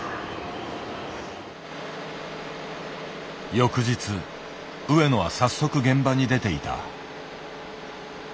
翌日上野は早速現場に出ていた。